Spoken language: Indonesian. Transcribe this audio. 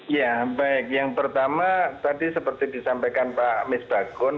ya baik yang pertama tadi seperti disampaikan pak misbakun